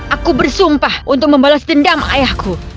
aku bersumpah untuk membalas dendam ayahku